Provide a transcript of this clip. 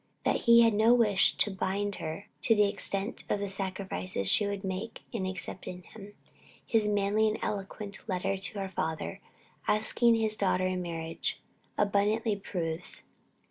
That he had no wish to blind her to the extent of the sacrifices she would make in accepting him, his manly and eloquent letter to her father, asking his daughter in marriage, abundantly proves.